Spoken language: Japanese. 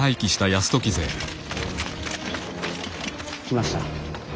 来ました。